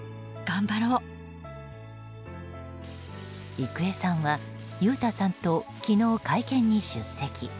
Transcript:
郁恵さんは、裕太さんと昨日、会見に出席。